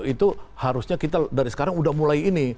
itu harusnya kita dari sekarang udah mulai ini